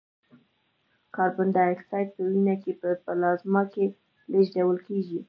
کاربن دای اکساید په وینه کې په پلازما کې لېږدول کېږي.